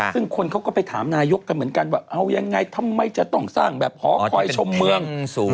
ซึ่งคนเขาก็ไปถามนายกกันเหมือนกันว่าเอายังไงทำไมจะต้องสร้างแบบหอคอยชมเมือง